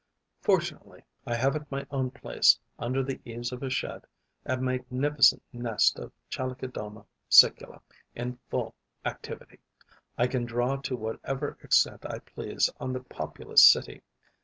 Fortunately, I have at my own place, under the eaves of a shed, a magnificent nest of Chalicodoma sicula in full activity. I can draw to whatever extent I please on the populous city.